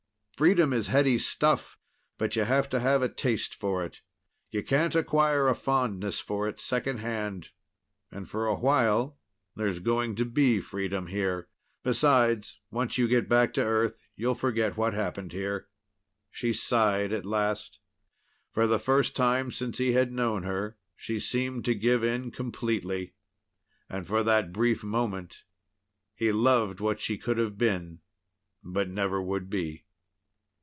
Freedom is heady stuff, but you have to have a taste for it. You can't acquire a fondness for it secondhand. And for a while, there's going to be freedom here. Besides, once you get back to Earth, you'll forget what happened here." She sighed at last. For the first time since he had known her, she seemed to give in completely. And for that brief moment, he loved what she could have been, but never would be.